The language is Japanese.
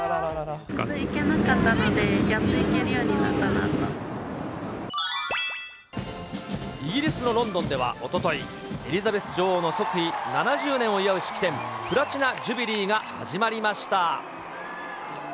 ずっと行けなかったので、イギリスのロンドンではおととい、エリザベス女王の即位７０年を祝う式典、プラチナ・ジュビリーが始まりました。